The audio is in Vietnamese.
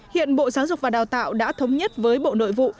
hiện bộ giáo dục và đào tạo đã thống nhất với bộ nội vụ